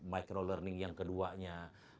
micro learning yang keduanya